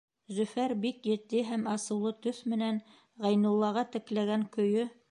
Зөфәр бик етди һәм асыулы төҫ менән Ғәйнуллаға текләгән көйө: